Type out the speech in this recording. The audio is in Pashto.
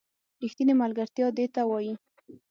ریښتینې ملگرتیا دې ته وايي